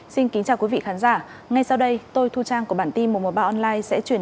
xin kính chào quý vị khán giả ngay sau đây tôi thu trang của bản tin một trăm một mươi ba online sẽ chuyển